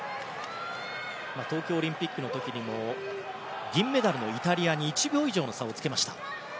東京オリンピックの時にも銀メダルのイタリアに１秒以上の差をつけました。